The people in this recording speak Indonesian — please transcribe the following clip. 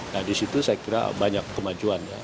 nah disitu saya kira banyak kemajuan ya